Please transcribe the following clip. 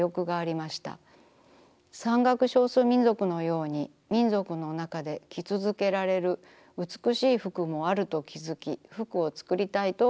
山岳少数民族のように民族のなかで着続けられるうつくしい服もあると気づき服をつくりたいと思うようになりました。